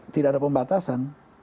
tidak ada pembatasan